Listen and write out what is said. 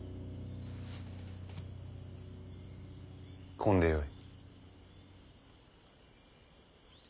来んでよい。